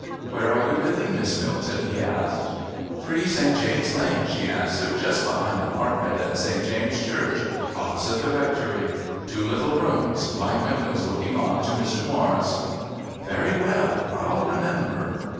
"Where are you living, Miss Milton?" he asked. "Three St. James' Lane," she answered. "Just behind the Market and St. James' Church. Opposite the Rectory. Two little rooms, my windows looking on to Mr. Morris'." "Very well, I'll remember."